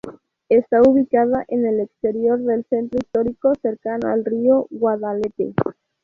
Está ubicada en el exterior del centro histórico, cercano al río Guadalete.